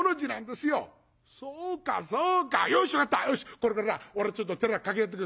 これからな俺ちょっと寺掛け合ってくる。